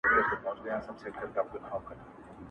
سلا نه ورڅخه غواړي چي هوښیار وي -